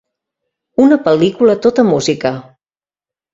Una pel·lícula tota música.